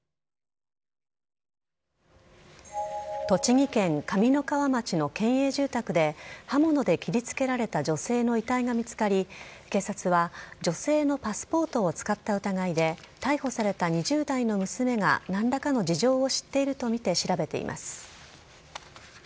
栃木県上三川町の県営住宅で、刃物で切りつけられた女性の遺体が見つかり、警察は、女性のパスポートを使った疑いで、逮捕された２０代の娘がなんらかの事情を知っていると見て、調べています。